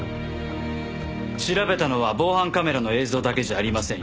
調べたのは防犯カメラの映像だけじゃありませんよ。